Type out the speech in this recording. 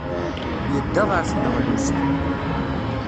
Yedda ɣer tneɣlust.